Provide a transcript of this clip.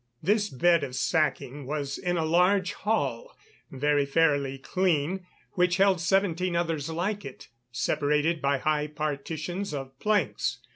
This bed of sacking was in a large hall, very fairly clean, which held seventeen others like it, separated by high partitions of planks.